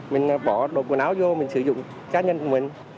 mình bỏ đồ quần áo vô mình sử dụng cá nhân của mình